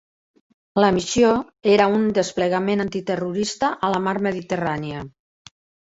La missió era un desplegament antiterrorista a la mar Mediterrània.